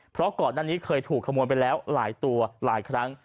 เพราะก่อนหน้านี้เคยถูกขโมยไปแล้วหลายตัวหลายครั้ง